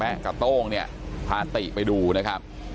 และกับโต้งเนี่ยพาติไปดูนะครับ